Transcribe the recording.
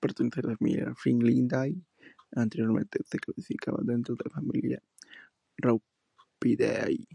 Pertenece a la familia "Fringillidae"; anteriormente se clasificaba dentro de la familia "Thraupidae".